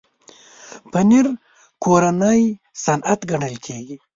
پنېر کورنی صنعت ګڼل کېږي.